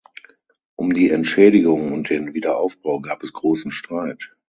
Um die Entschädigung und den Wiederaufbau gab es großen Streit.